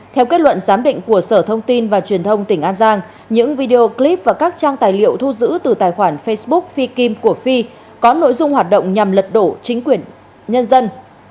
theo kết luận giám định của sở thông tin và truyền thông tỉnh an giang những video clip và các trang tài liệu thu giữ từ tài khoản facebook phi kim của phi có nội dung hoạt động nhằm lật đổ chính quyền nhân dân